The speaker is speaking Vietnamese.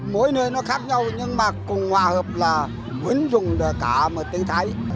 mỗi nơi nó khác nhau nhưng mà cùng hòa hợp là vững dùng cả một tiếng thái